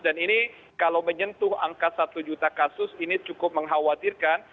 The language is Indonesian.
dan ini kalau menyentuh angka satu juta kasus ini cukup mengkhawatirkan